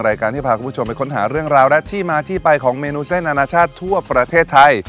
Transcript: รายการที่พาคุณผู้ชมไปค้นหาเรื่องราวและที่มาที่ไปของเมนูเส้นอนาชาติทั่วประเทศไทย